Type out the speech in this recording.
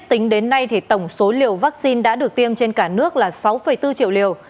tính đến nay tổng số liều vaccine đã được tiêm trên cả nước là sáu bốn triệu liều